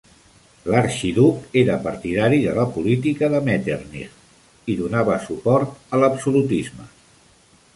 L'arxiduc era partidari de la política de Metternich i donava suport a l'absolutisme.